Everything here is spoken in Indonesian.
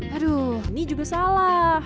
aduh ini juga salah